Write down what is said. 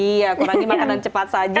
iya kurangi makanan cepat saja